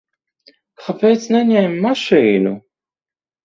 Kāpēc neņēma mašīnu?